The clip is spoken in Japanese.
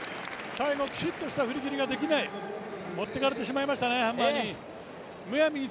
最後、きちっとした振り切りができない持っていかれてしまいましたね、ハンマーに。